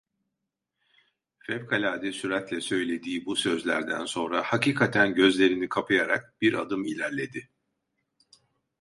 Fevkalade süratle söylediği bu sözlerden sonra hakikaten gözlerini kapayarak bir adım ilerledi.